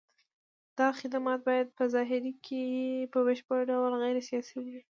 دا خدمات باید په ظاهر کې په بشپړ ډول غیر سیاسي وي.